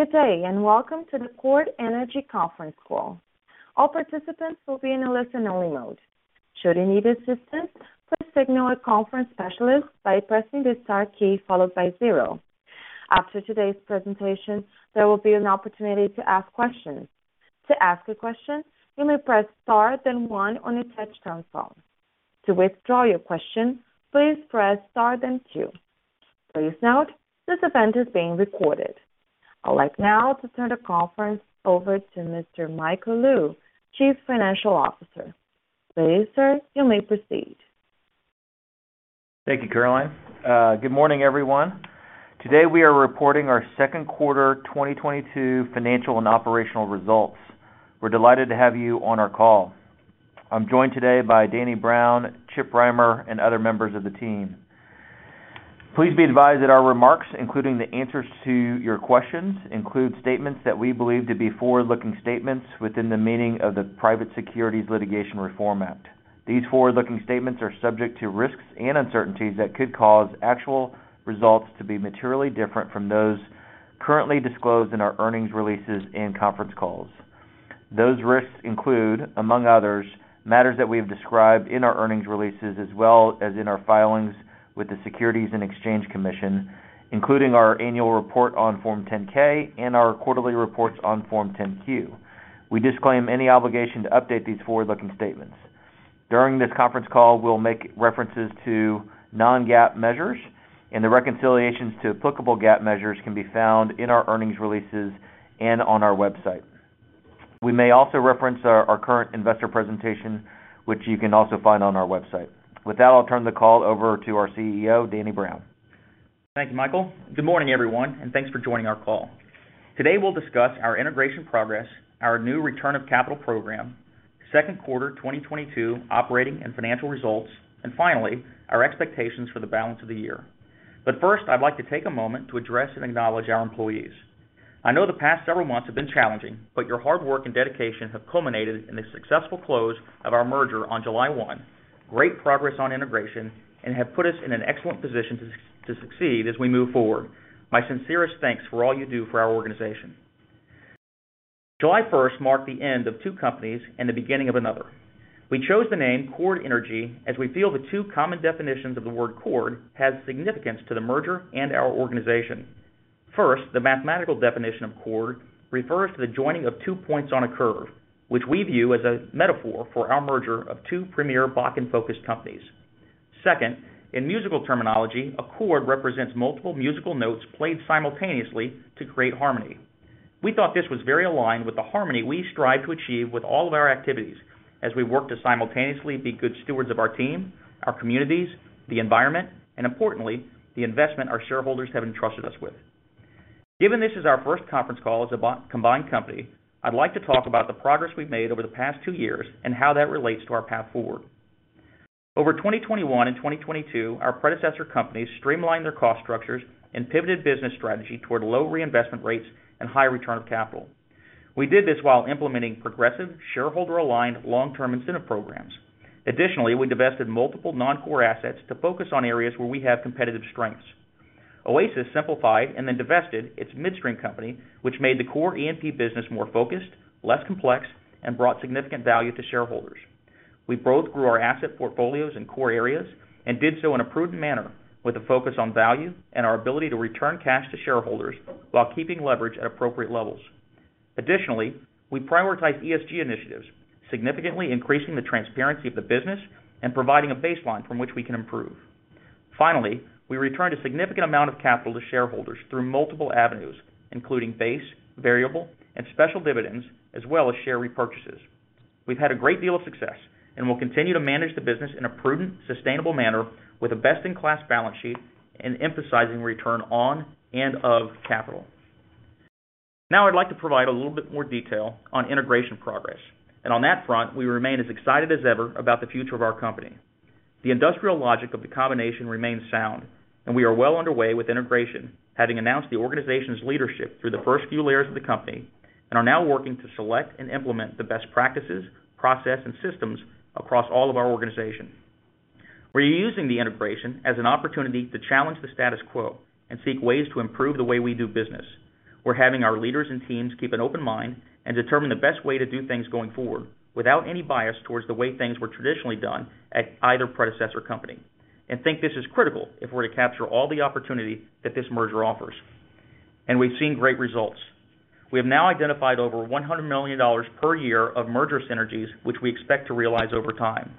Good day, and welcome to the Chord Energy conference call. All participants will be in a listen-only mode. Should you need assistance, please signal a conference specialist by pressing the star key followed by zero. After today's presentation, there will be an opportunity to ask questions. To ask a question, you may press star, then one on your touch-tone phone. To withdraw your question, please press star, then two. Please note, this event is being recorded. I'd like now to turn the conference over to Mr. Michael Lou, Chief Financial Officer. Please, sir, you may proceed. Thank you, Caroline. Good morning, everyone. Today, we are reporting our second quarter 2022 financial and operational results. We're delighted to have you on our call. I'm joined today by Daniel Brown, Chip Rimer, and other members of the team. Please be advised that our remarks, including the answers to your questions, include statements that we believe to be forward-looking statements within the meaning of the Private Securities Litigation Reform Act. These forward-looking statements are subject to risks and uncertainties that could cause actual results to be materially different from those currently disclosed in our earnings releases and conference calls. Those risks include, among others, matters that we have described in our earnings releases as well as in our filings with the Securities and Exchange Commission, including our annual report on Form 10-K and our quarterly reports on Form 10-Q. We disclaim any obligation to update these forward-looking statements. During this conference call, we'll make references to non-GAAP measures, and the reconciliations to applicable GAAP measures can be found in our earnings releases and on our website. We may also reference our current investor presentation, which you can also find on our website. With that, I'll turn the call over to our CEO, Daniel Brown. Thank you, Michael. Good morning, everyone, and thanks for joining our call. Today, we'll discuss our integration progress, our new return of capital program, second quarter 2022 operating and financial results, and finally, our expectations for the balance of the year. First, I'd like to take a moment to address and acknowledge our employees. I know the past several months have been challenging, but your hard work and dedication have culminated in the successful close of our merger on July 1, great progress on integration, and have put us in an excellent position to succeed as we move forward. My sincerest thanks for all you do for our organization. July 1 marked the end of two companies and the beginning of another. We chose the name Chord Energy as we feel the two common definitions of the word chord has significance to the merger and our organization. First, the mathematical definition of chord refers to the joining of two points on a curve, which we view as a metaphor for our merger of two premier Bakken-focused companies. Second, in musical terminology, a chord represents multiple musical notes played simultaneously to create harmony. We thought this was very aligned with the harmony we strive to achieve with all of our activities as we work to simultaneously be good stewards of our team, our communities, the environment, and importantly, the investment our shareholders have entrusted us with. Given this is our first conference call as a combined company, I'd like to talk about the progress we've made over the past two years and how that relates to our path forward. Over 2021 and 2022, our predecessor companies streamlined their cost structures and pivoted business strategy toward low reinvestment rates and high return of capital. We did this while implementing progressive, shareholder-aligned long-term incentive programs. Additionally, we divested multiple non-core assets to focus on areas where we have competitive strengths. Oasis simplified and then divested its midstream company, which made the core E&P business more focused, less complex, and brought significant value to shareholders. We both grew our asset portfolios in core areas and did so in a prudent manner with a focus on value and our ability to return cash to shareholders while keeping leverage at appropriate levels. Additionally, we prioritize ESG initiatives, significantly increasing the transparency of the business and providing a baseline from which we can improve. Finally, we returned a significant amount of capital to shareholders through multiple avenues, including base, variable, and special dividends, as well as share repurchases. We've had a great deal of success and will continue to manage the business in a prudent, sustainable manner with a best-in-class balance sheet and emphasizing return on and of capital. Now, I'd like to provide a little bit more detail on integration progress. On that front, we remain as excited as ever about the future of our company. The industrial logic of the combination remains sound, and we are well underway with integration, having announced the organization's leadership through the first few layers of the company, and are now working to select and implement the best practices, process, and systems across all of our organization. We're using the integration as an opportunity to challenge the status quo and seek ways to improve the way we do business. We're having our leaders and teams keep an open mind and determine the best way to do things going forward without any bias towards the way things were traditionally done at either predecessor company, and think this is critical if we're to capture all the opportunity that this merger offers. We've seen great results. We have now identified over $100 million per year of merger synergies, which we expect to realize over time.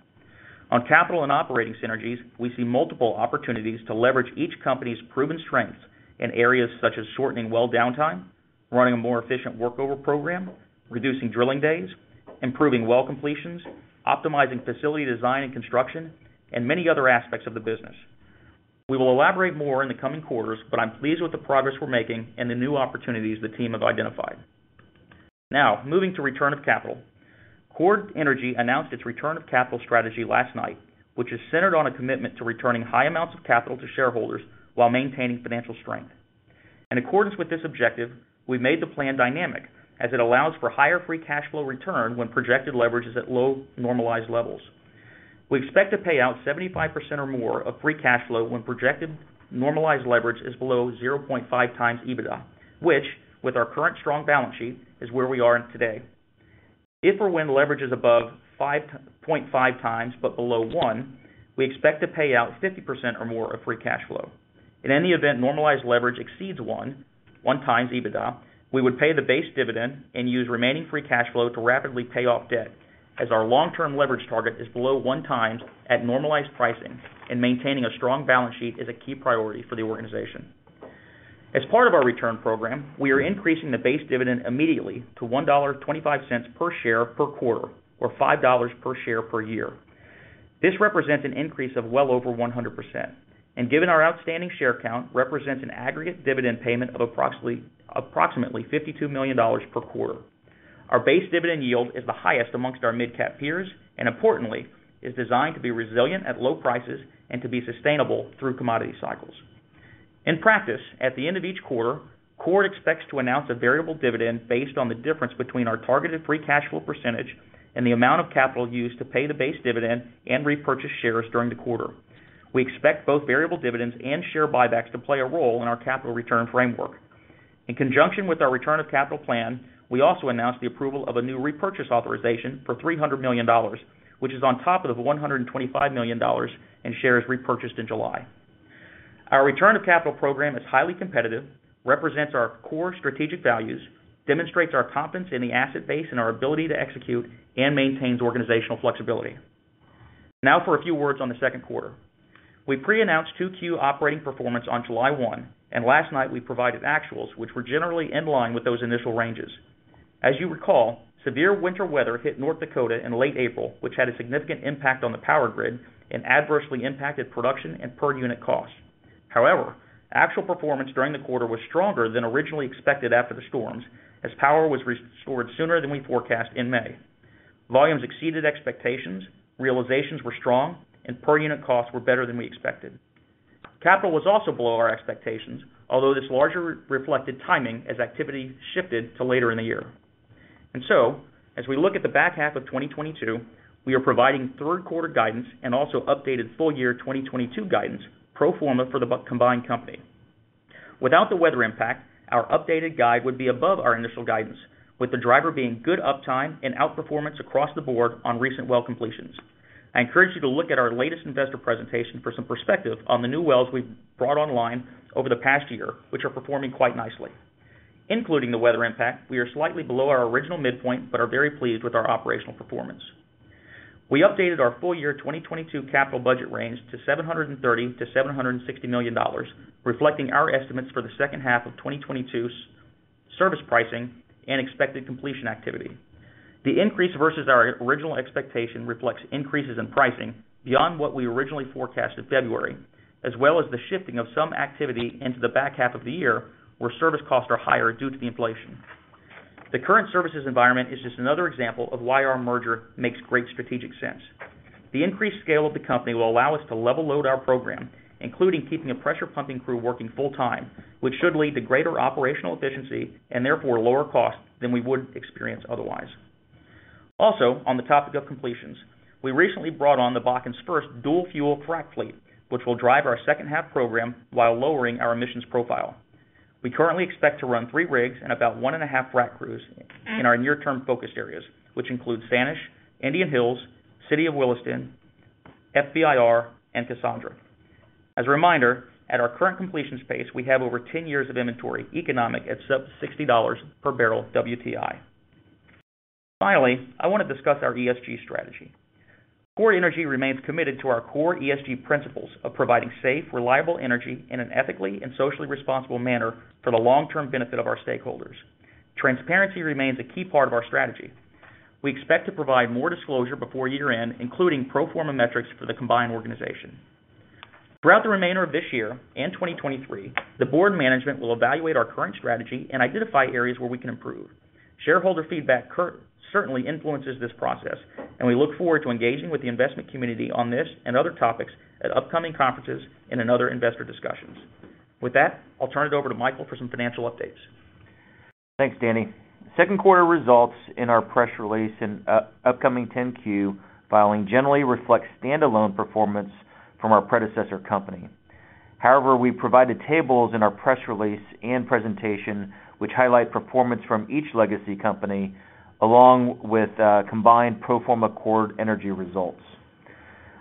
On capital and operating synergies, we see multiple opportunities to leverage each company's proven strengths in areas such as shortening well downtime, running a more efficient workover program, reducing drilling days, improving well completions, optimizing facility design and construction, and many other aspects of the business. We will elaborate more in the coming quarters, but I'm pleased with the progress we're making and the new opportunities the team have identified. Now, moving to return of capital. Chord Energy announced its return of capital strategy last night, which is centered on a commitment to returning high amounts of capital to shareholders while maintaining financial strength. In accordance with this objective, we made the plan dynamic, as it allows for higher free cash flow return when projected leverage is at low normalized levels. We expect to pay out 75% or more of free cash flow when projected normalized leverage is below 0.5x EBITDA, which, with our current strong balance sheet, is where we are today. If or when leverage is above 0.5x but below 1x, we expect to pay out 50% or more of free cash flow. In any event, normalized leverage exceeds 1x EBITDA, we would pay the base dividend and use remaining free cash flow to rapidly pay off debt as our long-term leverage target is below 1x at normalized pricing, and maintaining a strong balance sheet is a key priority for the organization. As part of our return program, we are increasing the base dividend immediately to $1.25 per share per quarter or $5 per share per year. This represents an increase of well over 100%, and given our outstanding share count, represents an aggregate dividend payment of approximately $52 million per quarter. Our base dividend yield is the highest among our midcap peers, and importantly, is designed to be resilient at low prices and to be sustainable through commodity cycles. In practice, at the end of each quarter, Chord expects to announce a variable dividend based on the difference between our targeted free cash flow percentage and the amount of capital used to pay the base dividend and repurchase shares during the quarter. We expect both variable dividends and share buybacks to play a role in our capital return framework. In conjunction with our return of capital plan, we also announced the approval of a new repurchase authorization for $300 million, which is on top of the $125 million in shares repurchased in July. Our return of capital program is highly competitive, represents our core strategic values, demonstrates our competence in the asset base and our ability to execute, and maintains organizational flexibility. Now for a few words on the second quarter. We pre-announced 2Q operating performance on July 1, and last night we provided actuals, which were generally in line with those initial ranges. As you recall, severe winter weather hit North Dakota in late April, which had a significant impact on the power grid and adversely impacted production and per unit costs. However, actual performance during the quarter was stronger than originally expected after the storms, as power was restored sooner than we forecast in May. Volumes exceeded expectations, realizations were strong, and per unit costs were better than we expected. Capital was also below our expectations, although this largely reflected timing as activity shifted to later in the year. As we look at the back half of 2022, we are providing third quarter guidance and also updated full year 2022 guidance pro forma for the combined company. Without the weather impact, our updated guide would be above our initial guidance, with the driver being good uptime and outperformance across the board on recent well completions. I encourage you to look at our latest investor presentation for some perspective on the new wells we've brought online over the past year, which are performing quite nicely. Including the weather impact, we are slightly below our original midpoint, but are very pleased with our operational performance. We updated our full-year 2022 capital budget range to $730 million-$760 million, reflecting our estimates for the second half of 2022's service pricing and expected completion activity. The increase versus our original expectation reflects increases in pricing beyond what we originally forecasted February, as well as the shifting of some activity into the back half of the year where service costs are higher due to the inflation. The current services environment is just another example of why our merger makes great strategic sense. The increased scale of the company will allow us to level load our program, including keeping a pressure pumping crew working full-time, which should lead to greater operational efficiency and therefore lower cost than we would experience otherwise. Also, on the topic of completions, we recently brought on the Bakken's first dual fuel frac fleet, which will drive our second half program while lowering our emissions profile. We currently expect to run three rigs and about one and a half frac crews in our near-term focused areas, which include Sanish, Indian Hills, City of Williston, FBIR, and Cassandra. As a reminder, at our current completion space, we have over 10 years of inventory economic at sub-$60 per barrel WTI. Finally, I want to discuss our ESG strategy. Chord Energy remains committed to our core ESG principles of providing safe, reliable energy in an ethically and socially responsible manner for the long-term benefit of our stakeholders. Transparency remains a key part of our strategy. We expect to provide more disclosure before year-end, including pro forma metrics for the combined organization. Throughout the remainder of this year and 2023, the board and management will evaluate our current strategy and identify areas where we can improve. Shareholder feedback certainly influences this process, and we look forward to engaging with the investment community on this and other topics at upcoming conferences and in other investor discussions. With that, I'll turn it over to Michael for some financial updates. Thanks, Danny. Second quarter results in our press release and upcoming 10-Q filing generally reflects stand-alone performance from our predecessor company. However, we provided tables in our press release and presentation which highlight performance from each legacy company, along with combined pro forma Chord Energy results.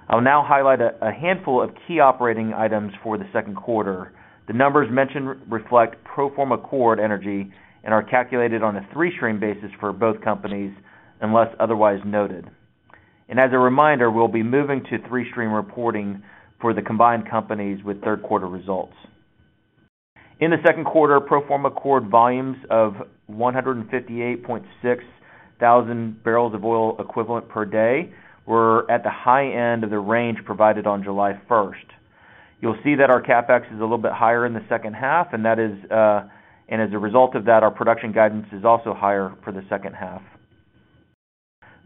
I will now highlight a handful of key operating items for the second quarter. The numbers mentioned reflect pro forma Chord Energy and are calculated on a three-stream basis for both companies unless otherwise noted. As a reminder, we'll be moving to three-stream reporting for the combined companies with third quarter results. In the second quarter, pro forma Chord volumes of 158,600 barrels of oil equivalent per day were at the high end of the range provided on July 1st. You'll see that our CapEx is a little bit higher in the second half, and that is, and as a result of that, our production guidance is also higher for the second half.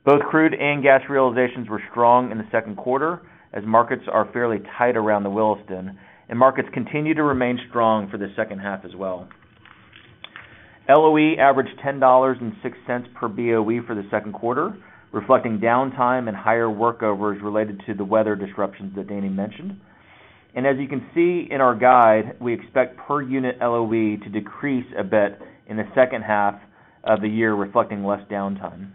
Both crude and gas realizations were strong in the second quarter as markets are fairly tight around the Williston, and markets continue to remain strong for the second half as well. LOE averaged $10.06 per BOE for the second quarter, reflecting downtime and higher workovers related to the weather disruptions that Danny mentioned. As you can see in our guide, we expect per unit LOE to decrease a bit in the second half of the year, reflecting less downtime.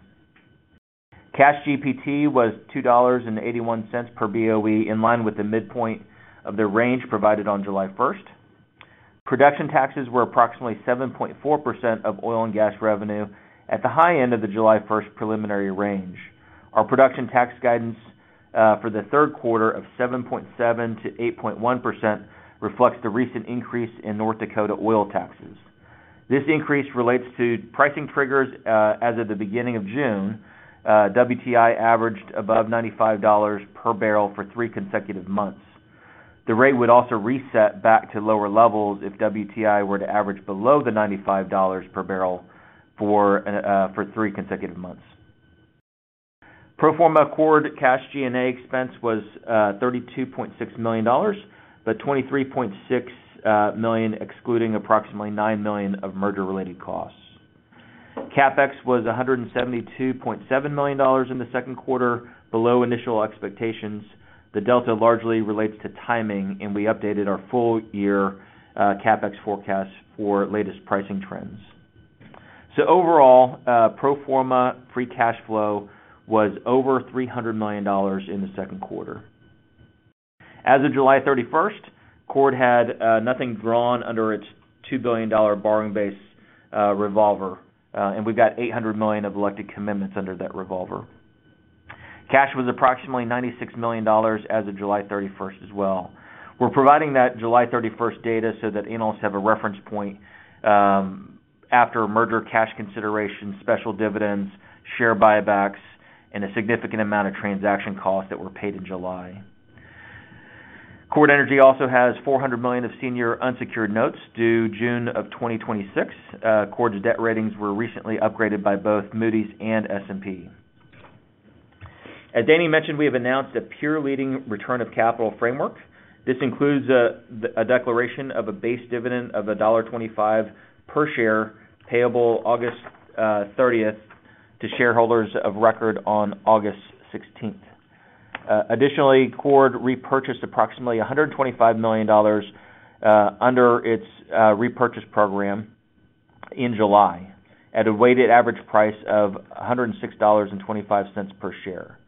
Cash GP&T was $2.81 per BOE, in line with the midpoint of the range provided on July 1st. Production taxes were approximately 7.4% of oil and gas revenue at the high end of the July 1st preliminary range. Our production tax guidance for the third quarter of 7.7%-8.1% reflects the recent increase in North Dakota oil taxes. This increase relates to pricing triggers as of the beginning of June, WTI averaged above $95 per barrel for three consecutive months. The rate would also reset back to lower levels if WTI were to average below $95 per barrel for three consecutive months. Pro forma Chord cash G&A expense was $32.6 million, but $23.6 million excluding approximately $9 million of merger-related costs. CapEx was $172.7 million in the second quarter, below initial expectations. The delta largely relates to timing, and we updated our full year CapEx forecast for latest pricing trends. Overall, pro forma free cash flow was over $300 million in the second quarter. As of July 31st, Chord had nothing drawn under its $2 billion borrowing base revolver, and we've got $800 million of elected commitments under that revolver. Cash was approximately $96 million as of July 31st as well. We're providing that July 31st data so that analysts have a reference point after merger cash consideration, special dividends, share buybacks, and a significant amount of transaction costs that were paid in July. Chord Energy also has $400 million of senior unsecured notes due June 2026. Chord's debt ratings were recently upgraded by both Moody's and S&P. As Danny mentioned, we have announced a peer-leading return of capital framework. This includes a declaration of a base dividend of $1.25 per share payable August 30th to shareholders of record on August 16th. Additionally, Chord repurchased approximately $125 million under its repurchase program in July at a weighted average price of $106.25 per share.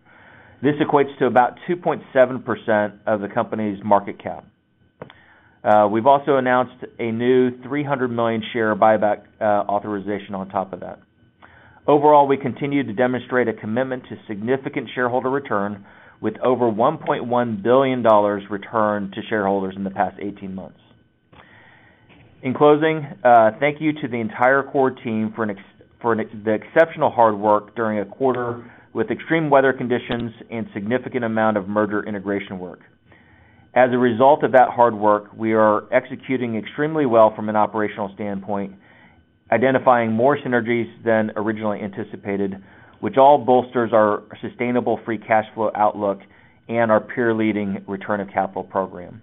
This equates to about 2.7% of the company's market cap. We've also announced a new $300 million share buyback authorization on top of that. Overall, we continue to demonstrate a commitment to significant shareholder return with over $1.1 billion returned to shareholders in the past 18 months. In closing, thank you to the entire Chord team for an exceptional hard work during a quarter with extreme weather conditions and significant amount of merger integration work. As a result of that hard work, we are executing extremely well from an operational standpoint, identifying more synergies than originally anticipated, which all bolsters our sustainable free cash flow outlook and our peer-leading return of capital program.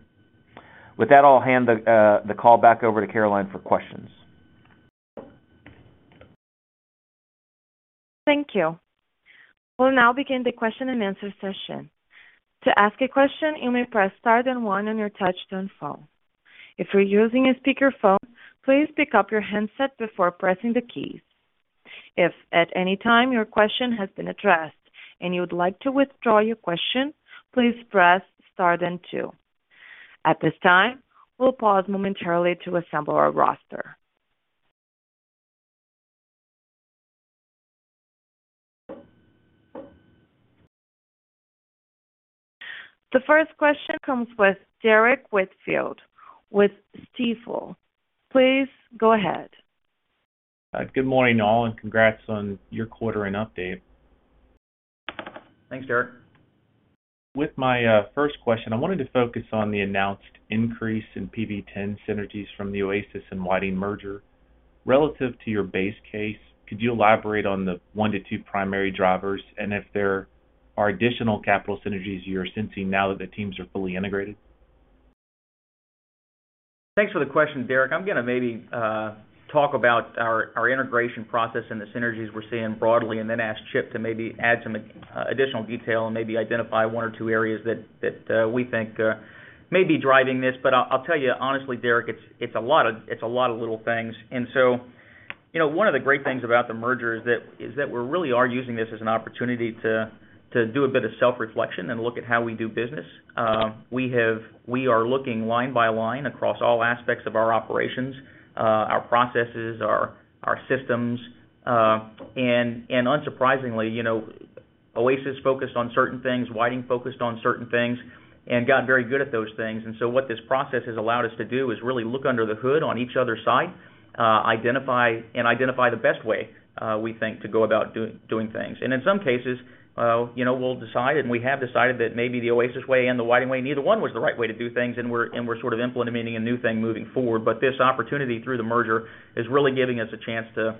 With that, I'll hand the call back over to Caroline for questions. Thank you. We'll now begin the question-and-answer session. To ask a question, you may press star then one on your touchtone phone. If you're using a speakerphone, please pick up your handset before pressing the keys. If at any time your question has been addressed and you would like to withdraw your question, please press star then two. At this time, we'll pause momentarily to assemble our roster. The first question comes with Derrick Whitfield with Stifel. Please go ahead. Good morning, all, and congrats on your quarter and update. Thanks, Derrick. With my first question, I wanted to focus on the announced increase in PV-10 synergies from the Oasis and Whiting merger. Relative to your base case, could you elaborate on the one to two primary drivers and if there are additional capital synergies you're sensing now that the teams are fully integrated? Thanks for the question, Derrick. I'm gonna maybe talk about our integration process and the synergies we're seeing broadly, and then ask Chip to maybe add some additional detail and maybe identify one or two areas that we think may be driving this. I'll tell you honestly, Derek, it's a lot of little things. You know, one of the great things about the merger is that we really are using this as an opportunity to do a bit of self-reflection and look at how we do business. We are looking line by line across all aspects of our operations, our processes, our systems. Unsurprisingly, you know, Oasis focused on certain things, Whiting focused on certain things and got very good at those things. What this process has allowed us to do is really look under the hood on each other's side, identify the best way, we think to go about doing things. In some cases, you know, we'll decide, and we have decided that maybe the Oasis way and the Whiting way, neither one was the right way to do things, and we're sort of implementing a new thing moving forward. This opportunity through the merger is really giving us a chance to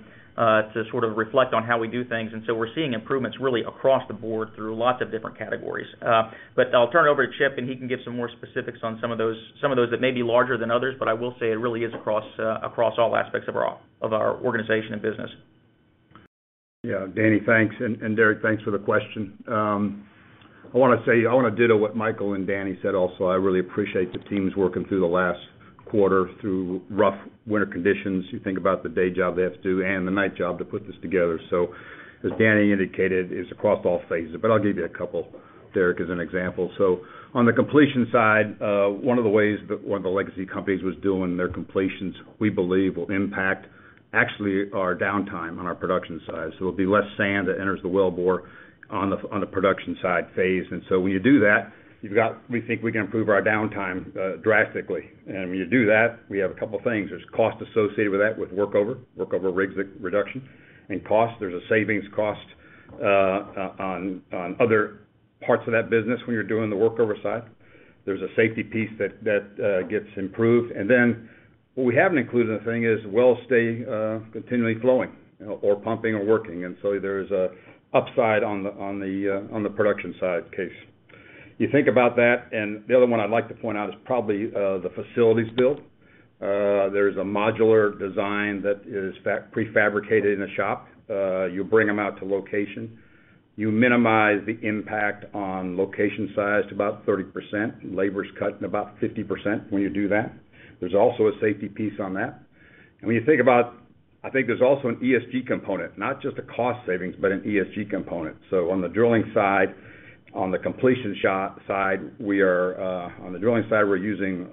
sort of reflect on how we do things. We're seeing improvements really across the board through lots of different categories. I'll turn it over to Chip, and he can give some more specifics on some of those that may be larger than others. I will say it really is across all aspects of our organization and business. Yeah, Danny, thanks. Derrick, thanks for the question. I wanna say, I wanna ditto what Michael and Danny said also. I really appreciate the teams working through the last quarter through rough winter conditions. You think about the day job they have to do and the night job to put this together. As Danny indicated, it's across all phases, but I'll give you a couple, Derrick, as an example. On the completion side, one of the legacy companies was doing their completions, we believe will impact actually our downtime on our production side. It'll be less sand that enters the wellbore on the production side phase. When you do that, we think we can improve our downtime drastically. When you do that, we have a couple things. There's cost associated with that, with work over rig reduction and cost. There's a savings cost on other parts of that business when you're doing the work over side. There's a safety piece that gets improved. What we haven't included in the thing is wells stay continually flowing, you know, or pumping or working. There's an upside on the production side case. You think about that, and the other one I'd like to point out is probably the facilities build. There's a modular design that is prefabricated in a shop. You bring them out to location. You minimize the impact on location size to about 30%. Labor is cut about 50% when you do that. There's also a safety piece on that. When you think about. I think there's also an ESG component, not just a cost savings, but an ESG component. On the drilling side, on the completion side, we're using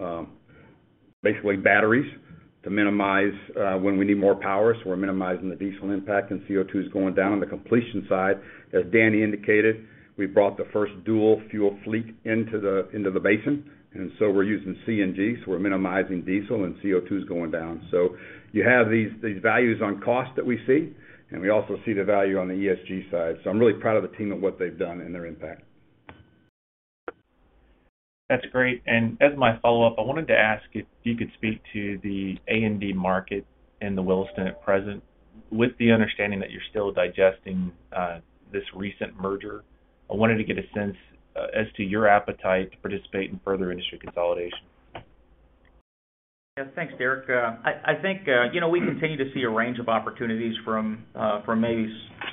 basically batteries to minimize when we need more power, so we're minimizing the diesel impact, and CO2 is going down. On the completion side, as Danny indicated, we brought the first dual fuel fleet into the basin, and we're using CNG, so we're minimizing diesel and CO2 is going down. You have these values on cost that we see, and we also see the value on the ESG side. I'm really proud of the team and what they've done and their impact. That's great. As my follow-up, I wanted to ask if you could speak to the A&D market in the Williston at present, with the understanding that you're still digesting this recent merger. I wanted to get a sense as to your appetite to participate in further industry consolidation. Yeah. Thanks, Derrick. I think you know we continue to see a range of opportunities from a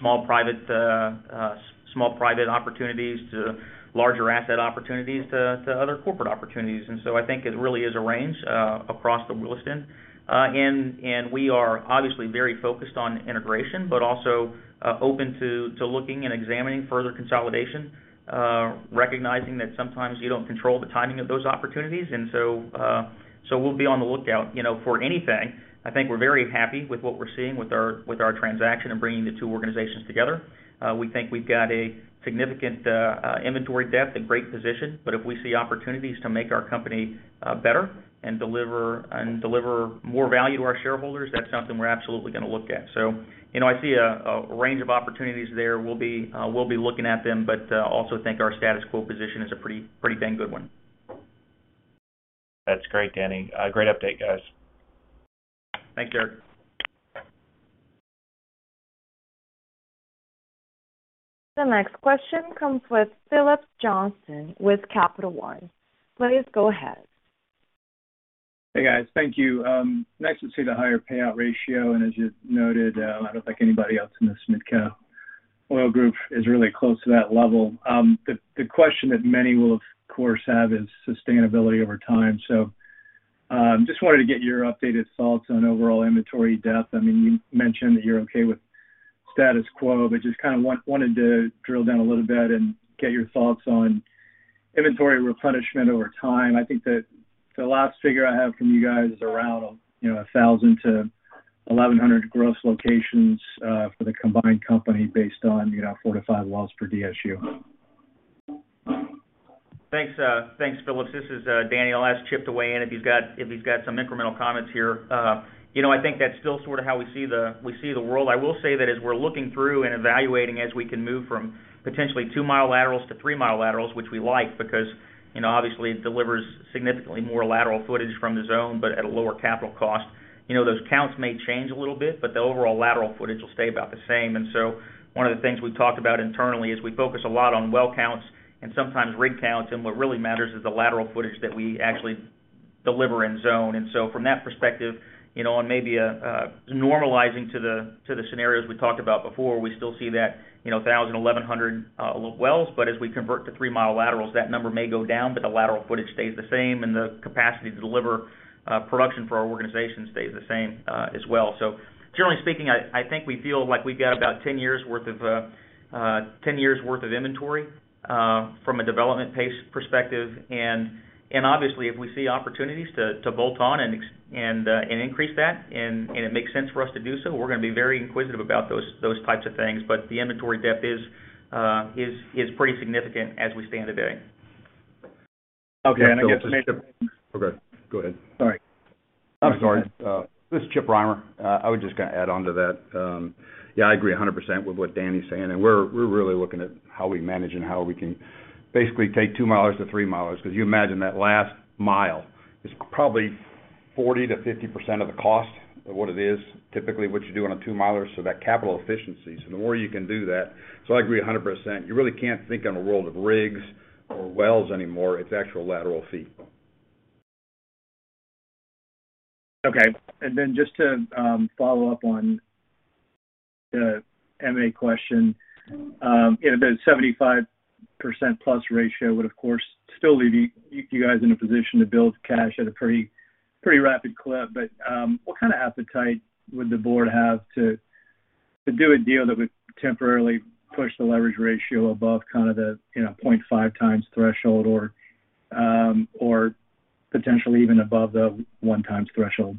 small private opportunities to larger asset opportunities to other corporate opportunities. I think it really is a range across the Williston. We are obviously very focused on integration, but also open to looking and examining further consolidation, recognizing that sometimes you don't control the timing of those opportunities. We'll be on the lookout, you know, for anything. I think we're very happy with what we're seeing with our transaction and bringing the two organizations together. We think we've got a significant inventory depth and great position. If we see opportunities to make our company better and deliver more value to our shareholders, that's something we're absolutely gonna look at. You know, I see a range of opportunities there. We'll be looking at them, but also think our status quo position is a pretty dang good one. That's great, Danny. A great update, guys. Thanks, Derrick. The next question comes with Phillips Johnston with Capital One. Please go ahead. Hey, guys. Thank you. Nice to see the higher payout ratio. As you noted, I don't think anybody else in the mid-cap oil group is really close to that level. The question that many will of course have is sustainability over time. Just wanted to get your updated thoughts on overall inventory depth. I mean, you mentioned that you're okay with status quo, but just wanted to drill down a little bit and get your thoughts on inventory replenishment over time. I think that the last figure I have from you guys is around, you know, 1,000-1,100 gross locations for the combined company based on, you know, four to five wells per DSU. Thanks, Phillips. This is Danny. I'll ask Chip to weigh in if he's got some incremental comments here. You know, I think that's still sort of how we see the world. I will say that as we're looking through and evaluating as we can move from potentially two-mile laterals to three-mile laterals, which we like because, you know, obviously it delivers significantly more lateral footage from the zone, but at a lower capital cost. You know, those counts may change a little bit, but the overall lateral footage will stay about the same. One of the things we've talked about internally is we focus a lot on well counts and sometimes rig counts, and what really matters is the lateral footage that we actually deliver in zone. From that perspective, you know, and maybe normalizing to the scenarios we talked about before, we still see that, you know, 1,000 wells-1,100 wells. As we convert to three-mile laterals, that number may go down, but the lateral footage stays the same and the capacity to deliver production for our organization stays the same as well. Generally speaking, I think we feel like we've got about 10 years' worth of inventory from a development pace perspective. Obviously if we see opportunities to bolt on and increase that and it makes sense for us to do so, we're gonna be very inquisitive about those types of things. The inventory depth is pretty significant as we stand today. Okay. I guess- This is Chip. Okay, go ahead. Sorry. I'm sorry. This is Chip Rimer. I was just gonna add on to that. Yeah, I agree 100% with what Daniel's saying, and we're really looking at how we manage and how we can basically take two-milers to three-milers, 'cause you imagine that last mile is probably 40%-50% of the cost of what it is, typically what you do on a two-miler, so that capital efficiency. So the more you can do that. So I agree 100%. You really can't think in a world of rigs or wells anymore. It's actual lateral feet. Okay. Then just to follow up on the M&A question. You know, the 75%+ ratio would of course still leave you guys in a position to build cash at a pretty rapid clip. What kind of appetite would the board have to do a deal that would temporarily push the leverage ratio above kind of the, you know, 0.5x threshold or potentially even above the 1x threshold?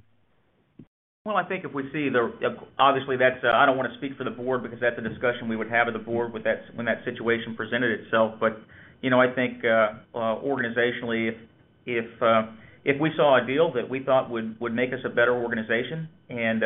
Well, I think I don't want to speak for the board because that's a discussion we would have at the board when that situation presented itself. You know, I think organizationally, if we saw a deal that we thought would make us a better organization, and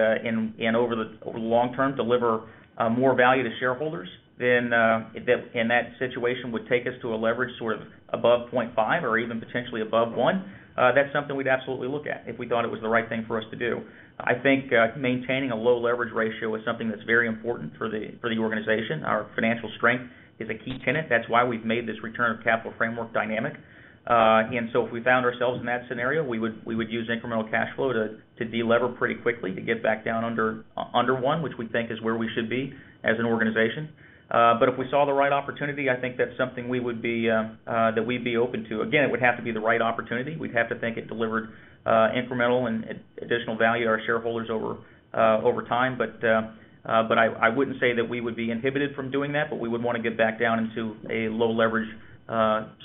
over the long term, deliver more value to shareholders, then, and that situation would take us to a leverage sort of above 0.5x or even potentially above 1x, that's something we'd absolutely look at if we thought it was the right thing for us to do. I think maintaining a low leverage ratio is something that's very important for the organization. Our financial strength is a key tenet. That's why we've made this return of capital framework dynamic. If we found ourselves in that scenario, we would use incremental cash flow to delever pretty quickly to get back down under one, which we think is where we should be as an organization. If we saw the right opportunity, I think that's something we would be open to. Again, it would have to be the right opportunity. We'd have to think it delivered incremental and additional value to our shareholders over time. I wouldn't say that we would be inhibited from doing that, but we would want to get back down into a low leverage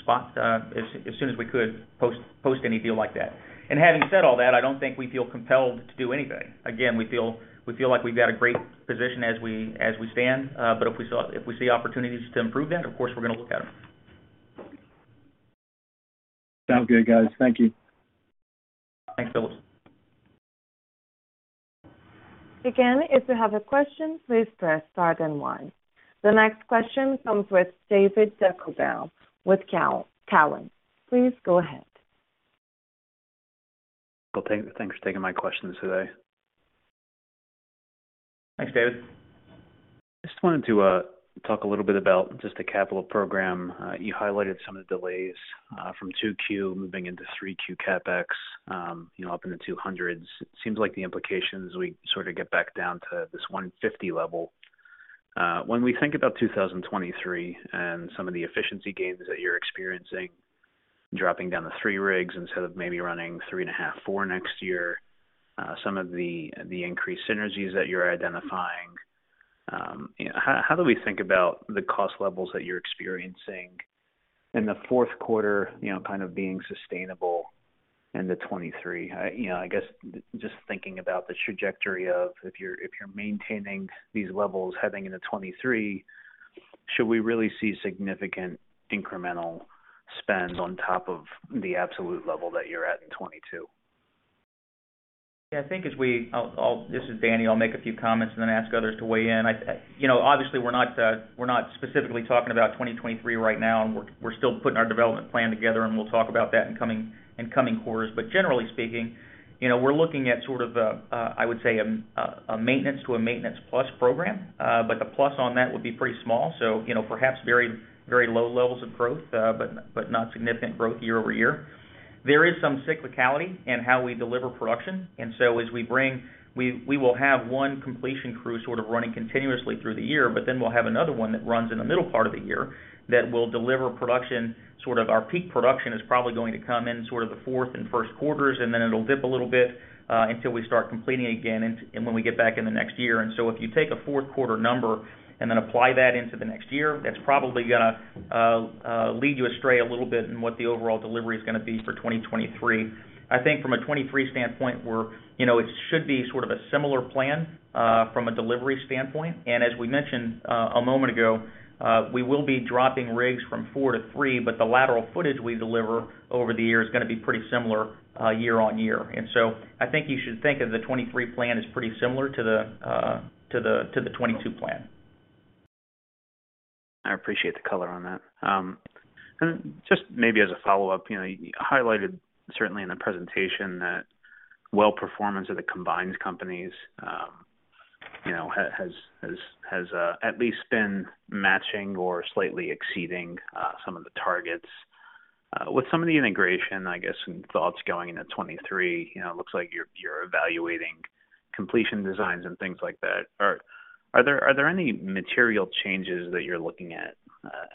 spot as soon as we could post any deal like that. Having said all that, I don't think we feel compelled to do anything. Again, we feel like we've got a great position as we stand, but if we see opportunities to improve that, of course, we're going to look at them. Sounds good, guys. Thank you. Thanks, Phillips. Again, if you have a question, please press star then one. The next question comes from David Deckelbaum with TD Cowen. Please go ahead. Well, thanks for taking my questions today. Thanks, David. Just wanted to talk a little bit about just the capital program. You highlighted some of the delays from 2Q moving into 3Q CapEx, you know, up in the $200s. It seems like the implications, we sort of get back down to this $150 level. When we think about 2023 and some of the efficiency gains that you're experiencing, dropping down to three rigs instead of maybe running three and a half, four next year, some of the increased synergies that you're identifying, how do we think about the cost levels that you're experiencing in the fourth quarter, you know, kind of being sustainable into 2023? You know, I guess just thinking about the trajectory of if you're maintaining these levels heading into 2023, should we really see significant incremental spend on top of the absolute level that you're at in 2022? Yeah, I think. This is Danny. I'll make a few comments and then ask others to weigh in. You know, obviously, we're not specifically talking about 2023 right now, and we're still putting our development plan together, and we'll talk about that in coming quarters. Generally speaking, you know, we're looking at sort of, I would say a maintenance to a maintenance plus program, but the plus on that would be pretty small. You know, perhaps very low levels of growth, but not significant growth year-over-year. There is some cyclicality in how we deliver production. We will have one completion crew sort of running continuously through the year, but then we'll have another one that runs in the middle part of the year that will deliver production. Sort of our peak production is probably going to come in sort of the fourth and first quarters, and then it'll dip a little bit until we start completing again and when we get back in the next year. If you take a fourth quarter number and then apply that into the next year, that's probably gonna lead you astray a little bit in what the overall delivery is gonna be for 2023. I think from a 2023 standpoint, we're, you know, it should be sort of a similar plan from a delivery standpoint. As we mentioned, a moment ago, we will be dropping rigs from four to three, but the lateral footage we deliver over the year is gonna be pretty similar, year-on-year. I think you should think of the 2023 plan as pretty similar to the 2022 plan. I appreciate the color on that. Just maybe as a follow-up, you know, you highlighted certainly in the presentation that well performance of the combined companies, you know, has at least been matching or slightly exceeding some of the targets. With some of the integration, I guess, some thoughts going into 2023, you know, it looks like you're evaluating completion designs and things like that. Are there any material changes that you're looking at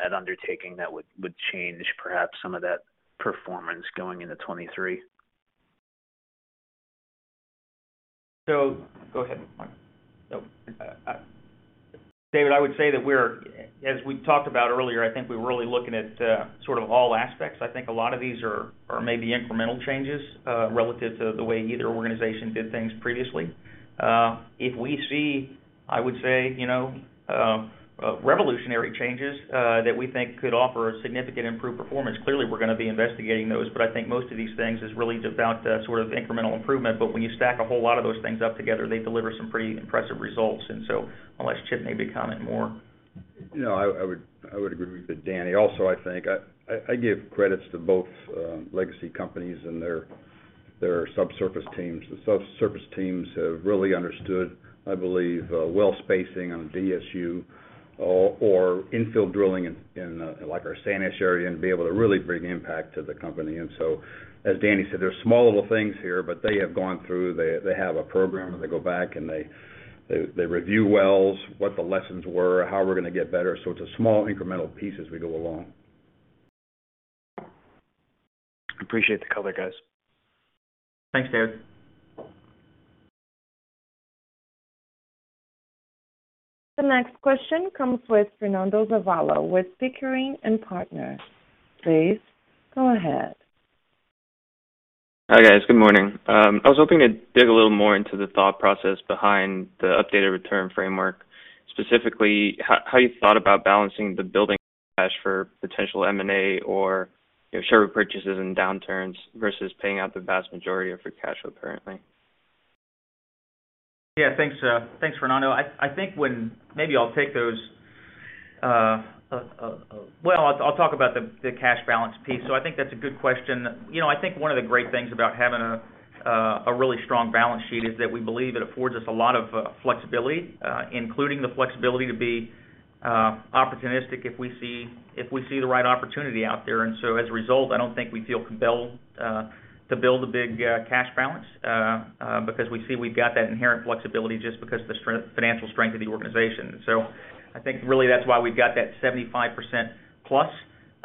at undertaking that would change perhaps some of that performance going into 2023? Go ahead, Mike. David, I would say that we're, as we talked about earlier, I think we're really looking at sort of all aspects. I think a lot of these are maybe incremental changes relative to the way either organization did things previously. If we see, I would say, you know, revolutionary changes that we think could offer a significant improved performance, clearly we're gonna be investigating those. I think most of these things is really about the sort of incremental improvement. When you stack a whole lot of those things up together, they deliver some pretty impressive results. Unless Chip maybe comment more. You know, I would agree with Danny. Also, I think I give credits to both legacy companies and their subsurface teams. The subsurface teams have really understood, I believe, well spacing on DSU or infill drilling in like our Sanish area, and be able to really bring impact to the company. As Danny said, there's small little things here, but they have gone through. They have a program, and they go back and they review wells, what the lessons were, how we're gonna get better. It's a small incremental piece as we go along. Appreciate the color, guys. Thanks, David. The next question comes with Fernando Zavala with Pickering Energy Partners. Please go ahead. Hi, guys. Good morning. I was hoping to dig a little more into the thought process behind the updated return framework. Specifically, how you thought about balancing the building cash for potential M&A or, you know, share purchases in downturns versus paying out the vast majority of your cash flow currently. Yeah, thanks, Fernando. I'll talk about the cash balance piece. I think that's a good question. You know, I think one of the great things about having a really strong balance sheet is that we believe it affords us a lot of flexibility, including the flexibility to be opportunistic if we see the right opportunity out there. As a result, I don't think we feel compelled to build a big cash balance because we see we've got that inherent flexibility just because the financial strength of the organization. I think really that's why we've got that 75% plus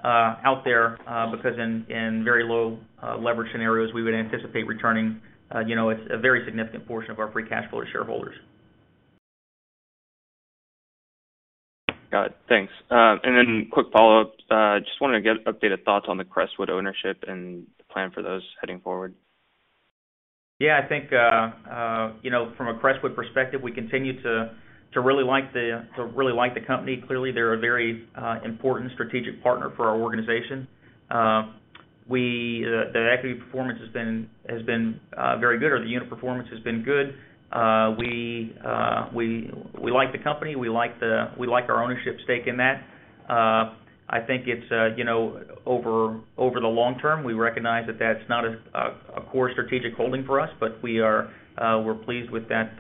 out there, because in very low leverage scenarios, we would anticipate returning, you know, a very significant portion of our free cash flow to shareholders. Got it. Thanks. Quick follow-up. Just wanted to get updated thoughts on the Crestwood ownership and the plan for those heading forward. Yeah, I think, you know, from a Crestwood perspective, we continue to really like the company. Clearly, they're a very important strategic partner for our organization. The equity performance has been very good, or the unit performance has been good. We like the company, we like our ownership stake in that. I think it's, you know, over the long term, we recognize that that's not a core strategic holding for us, but we're pleased with that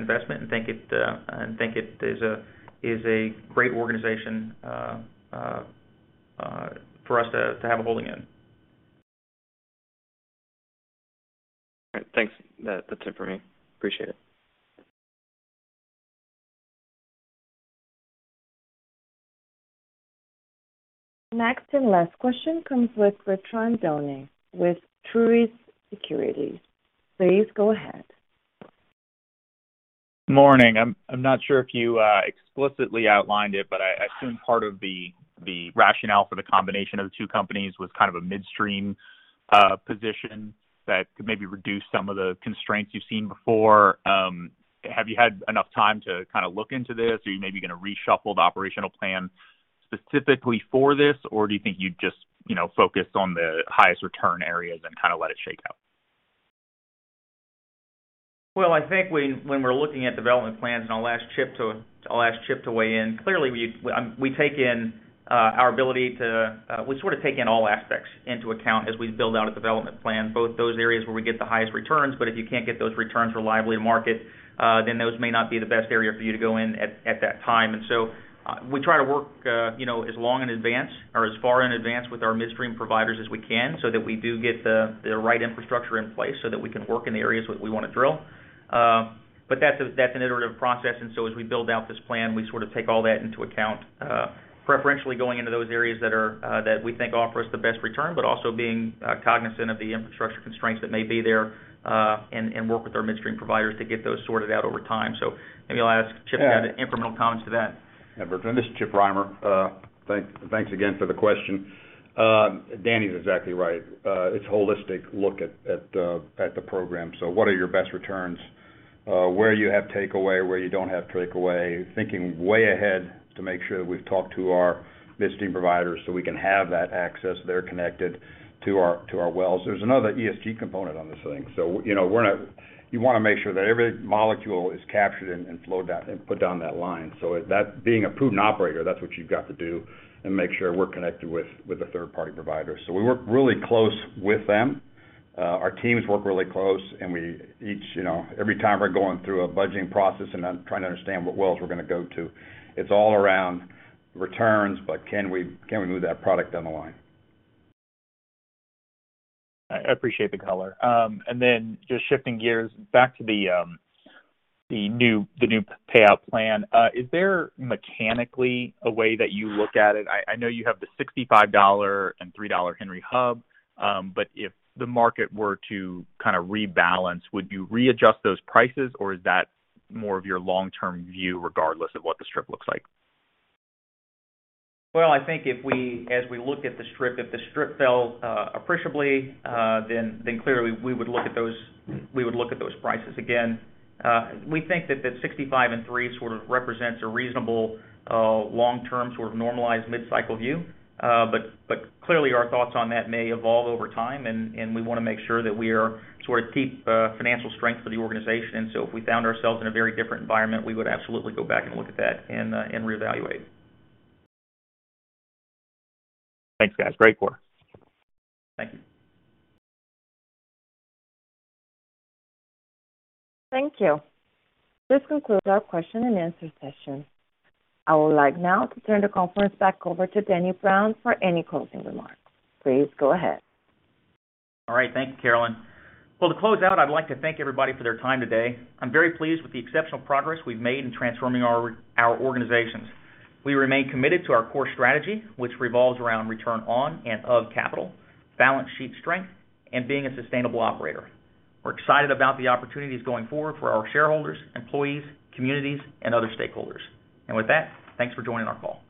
investment and think it is a great organization for us to have a holding in. All right. Thanks. That's it for me. Appreciate it. Next and last question comes with Bertrand Donnes with Truist Securities. Please go ahead. Morning. I'm not sure if you explicitly outlined it, but I assume part of the rationale for the combination of the two companies was kind of a midstream position that could maybe reduce some of the constraints you've seen before. Have you had enough time to kinda look into this? Are you maybe gonna reshuffle the operational plan specifically for this? Or do you think you'd just, you know, focus on the highest return areas and kinda let it shake out? Well, I think when we're looking at development plans, and I'll ask Chip to weigh in. Clearly, we sort of take in all aspects into account as we build out a development plan, both those areas where we get the highest returns, but if you can't get those returns reliably to market, then those may not be the best area for you to go in at that time. We try to work, you know, as long in advance or as far in advance with our midstream providers as we can so that we do get the right infrastructure in place so that we can work in the areas that we wanna drill. That's an iterative process, and so as we build out this plan, we sort of take all that into account, preferentially going into those areas that we think offer us the best return, but also being cognizant of the infrastructure constraints that may be there, and work with our midstream providers to get those sorted out over time. Maybe I'll ask Chip to add incremental comments to that. Yeah. This is Chip Rimer. Thanks again for the question. Daniel is exactly right. It's a holistic look at the program. What are your best returns? Where you have takeaway, where you don't have takeaway, thinking way ahead to make sure that we've talked to our midstream providers so we can have that access, they're connected to our wells. There's another ESG component on this thing. You know, you wanna make sure that every molecule is captured and flowed down and put down that line. That being a proven operator, that's what you've got to do and make sure we're connected with a third-party provider. We work really close with them. Our teams work really close, and we each, you know, every time we're going through a budgeting process and I'm trying to understand what wells we're gonna go to, it's all around returns, but can we move that product down the line? I appreciate the color. Just shifting gears back to the new payout plan. Is there mechanically a way that you look at it? I know you have the $65 and $3 Henry Hub, but if the market were to kinda rebalance, would you readjust those prices, or is that more of your long-term view regardless of what the strip looks like? Well, I think as we look at the strip, if the strip fell appreciably, then clearly we would look at those prices again. We think that the $65 and $3 sort of represents a reasonable long-term sort of normalized mid-cycle view. But clearly our thoughts on that may evolve over time, and we wanna make sure that we are sort of keep financial strength of the organization. If we found ourselves in a very different environment, we would absolutely go back and look at that and reevaluate. Thanks, guys. Great quarter. Thank you. Thank you. This concludes our question and answer session. I would like now to turn the conference back over to Daniel Brown for any closing remarks. Please go ahead. All right. Thank you, Caroline. Well, to close out, I'd like to thank everybody for their time today. I'm very pleased with the exceptional progress we've made in transforming our organizations. We remain committed to our core strategy, which revolves around return on and of capital, balance sheet strength, and being a sustainable operator. We're excited about the opportunities going forward for our shareholders, employees, communities, and other stakeholders. With that, thanks for joining our call.